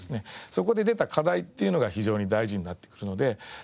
そこで出た課題っていうのが非常に大事になってくるので。